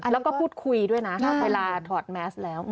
แล้วก็พูดคุยด้วยนะเวลาถอดแมสแล้ว